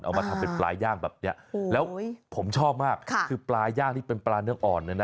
เอามาทำเป็นปลาย่างแบบนี้แล้วผมชอบมากคือปลาย่างนี่เป็นปลาเนื้องอ่อนเลยนะ